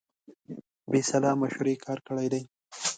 بې سلا مشورې کار کړی دی.